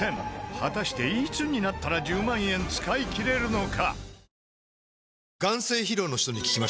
果たしていつになったら１０万円使い切れるのか？